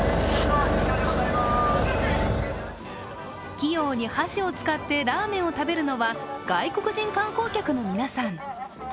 器用に箸を使ってラーメンを食べるのは外国人観光客の皆さん。